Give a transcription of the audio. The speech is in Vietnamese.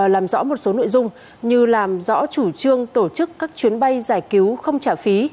làm rõ một số nội dung như làm rõ chủ trương tổ chức các chuyến bay giải cứu không trả phí